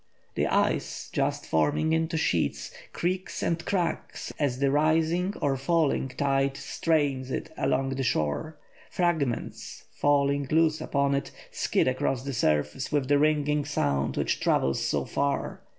The ice, just forming into sheets, creaks and cracks as the rising or falling tide strains it along the shore; fragments, falling loose upon it, skid across the surface with the ringing sound which travels so far.